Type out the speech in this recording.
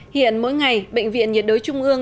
hiện mỗi ngày bệnh viện nhiệt đối trung ương